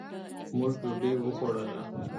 مونږ ډوډي وخوړله